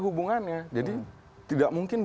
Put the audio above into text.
hubungannya jadi tidak mungkin